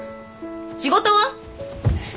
仕事は？